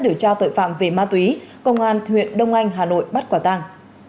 điều tra tội phạm về ma túy công an huyện đông anh hà nội bắt quả tàng